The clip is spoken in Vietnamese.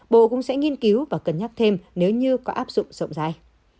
bộ cũng sẽ nghiên cứu và cân nhắc thêm nếu như có áp dụng rộng rãi